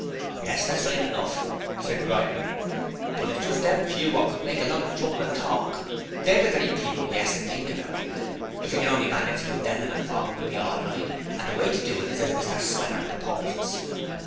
'Yes, that's right enough,' said Grinder. 'But it's just them few wot would make a lot of trouble and talk; THEY'RE the very people we 'as to think about. If we can only manage to put THEM in a fog we'll be all right, and the way to do it is as Mr Sweater proposes.'